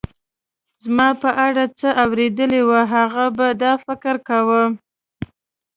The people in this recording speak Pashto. زما په اړه څه اورېدلي وي، هغوی به دا فکر کاوه.